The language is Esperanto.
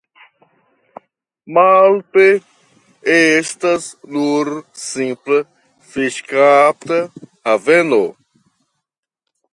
Malpe estas nur simpla fiŝkapta haveno.